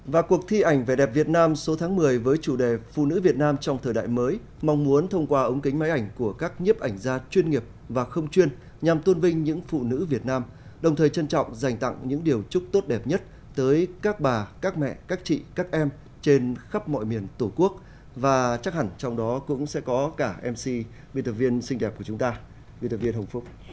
và cuộc thi ảnh về đẹp việt nam số tháng một mươi với chủ đề phụ nữ việt nam trong thời đại mới mong muốn thông qua ống kính máy ảnh của các nhiếp ảnh gia chuyên nghiệp và không chuyên nhằm tuân vinh những phụ nữ việt nam đồng thời trân trọng dành tặng những điều chúc tốt đẹp nhất tới các bà các mẹ các chị các em trên khắp mọi miền tổ quốc và chắc hẳn trong đó cũng sẽ có cả mc viên tập viên xinh đẹp của chúng ta viên tập viên hồng phúc